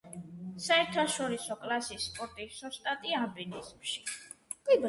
საერთაშორისო კლასის სპორტის ოსტატი ალპინიზმში.